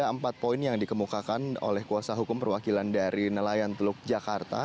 ada empat poin yang dikemukakan oleh kuasa hukum perwakilan dari nelayan teluk jakarta